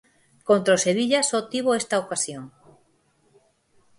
Contra o Sevilla só tivo esta ocasión.